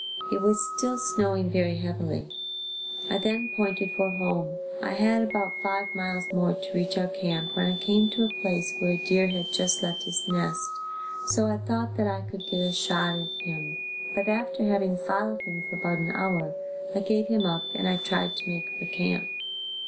It was still snowing very heavily. I then pointed for home. I had about five miles more to reach our camp when I came to a place where a deer had just left his nest, so I thought that I could get a shot at him but after having followed him for about an hour, I gave him up and I tried to make for camp.